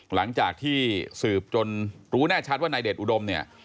หลังจากที่สืบจนรู้แน่ชัดว่านายเดชอุดมเนี่ย